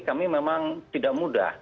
kami memang tidak mudah